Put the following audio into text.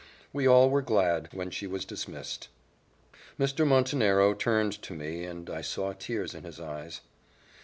We all were glad when she was dismissed. Mr. Montenero turned to me, and I saw tears in his eyes.